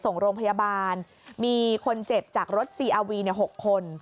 ส่งโรงพยาบาลมีคนเจ็บจากรถซีอาร์วีเนี่ยหกคน